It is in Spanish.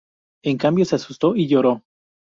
En cambio, se asustó y lloró.